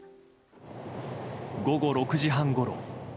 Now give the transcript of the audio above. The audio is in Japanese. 午後６時半ごろ。